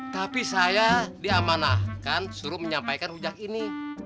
tapi saya diamanahkan suruh menyampaikan rujak ini